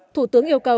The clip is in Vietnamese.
thủ tướng yêu cầu